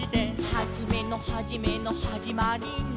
「はじめのはじめのはじまりの」